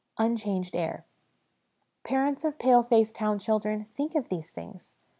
Unchanged Air. Parents of pale faced town children, think of these things !